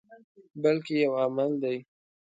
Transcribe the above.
بلکې یو عمل دی.